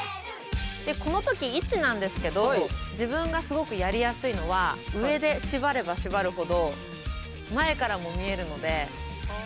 この時位置なんですけど自分がすごくやりやすいのは上で縛れば縛るほど前からも見えるのでおすすめです。